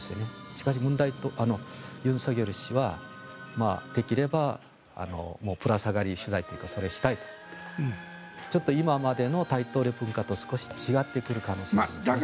しかし、尹錫悦氏はできればぶら下がり取材というかそれをしたい今までの大統領文化とはすこし違ってくる可能性があります。